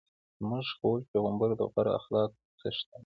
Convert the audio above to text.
زموږ خوږ پیغمبر د غوره اخلاقو څښتن دی.